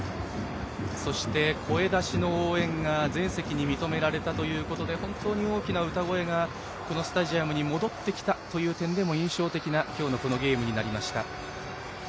そして声出しの応援が全席に認められたということで本当に大きな歌声がこのスタジアムに戻ってきた点でも印象的な今日のゲームになりました。